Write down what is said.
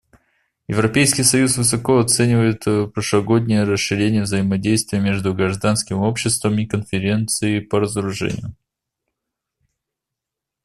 Европейский союз высоко оценивает прошлогоднее расширение взаимодействия между гражданским обществом и Конференцией по разоружению.